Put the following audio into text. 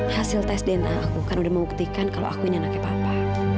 hasil tes dna aku kan udah menguktikan kalau aku ini anaknya papa